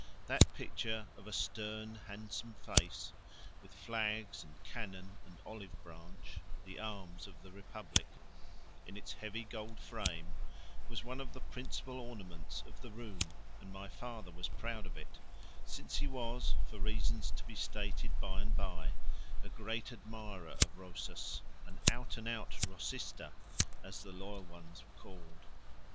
That picture of a stern handsome face, with flags and cannon and olive branch the arms of the republic in its heavy gold frame, was one of the principal ornaments of the room, and my father was proud of it, since he was, for reasons to be stated by and by, a great admirer of Rosas, an out and out Rosista, as the loyal ones were called.